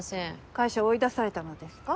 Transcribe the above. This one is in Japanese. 会社追い出されたのですか？